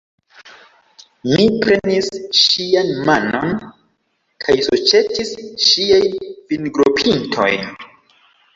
Mi prenis ŝian manon kaj suĉetis ŝiajn fingropintojn.